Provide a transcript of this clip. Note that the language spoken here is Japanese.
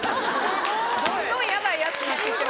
どんどんヤバいヤツになって行ってる。